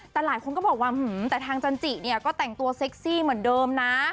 แต่หลายคนก็บอกว่าแต่ทางจันจิเนี่ยก็แต่งตัวเซ็กซี่เหมือนเดิมนะ